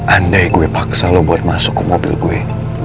andai gue paksa lo buat masuk ke mobil gue